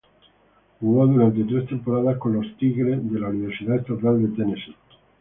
Jugó durante tres temporadas con los "Tigers" de la Universidad Estatal de Tennessee.